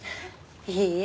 いいえ。